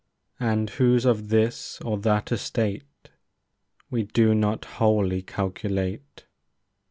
And who's of this or that estate We do not wholly calculate.